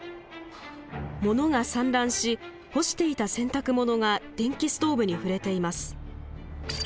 物が散乱し干していた洗濯物が電気ストーブに触れています。